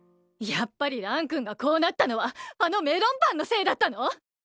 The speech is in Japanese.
やっぱり蘭君がこうなったのはあのメロンパンのせいだったの？